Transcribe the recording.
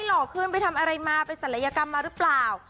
หล่อขึ้นไปทำอะไรมาไปศัลยกรรมมาหรือเปล่า